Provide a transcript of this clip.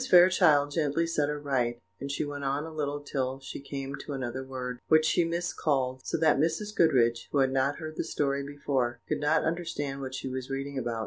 Fairchild gently set her right, and she went on a little till she came to another word, which she miscalled, so that Mrs. Goodriche, who had not heard the story before, could not understand what she was reading about.